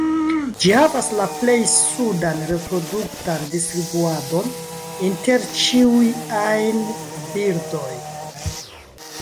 Ĝi havas la plej sudan reproduktan distribuadon inter ĉiuj ajn birdoj.